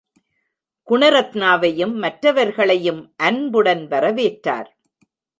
குணரத்னாவையும், மற்றவர்களையும் அன்புடன் வரவேற்றார்.